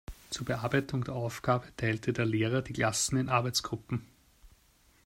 Zur Bearbeitung der Aufgabe teilte der Lehrer die Klasse in Arbeitsgruppen.